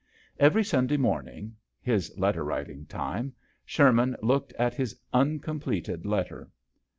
Every Sunday morning his letter writing time Sherman looked at his uncompleted letter.